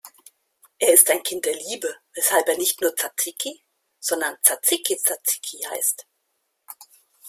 Er ist ein Kind der Liebe, weshalb er nicht nur Tsatsiki, sondern Tsatsiki-Tsatsiki heißt.